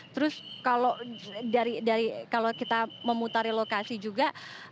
terus kalau kita memutari lokasi juga